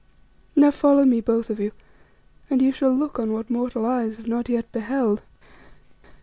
Now follow me, both of you, and ye shall look on what mortal eyes have not yet beheld."